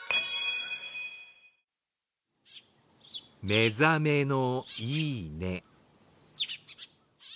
「目覚めのいい音」。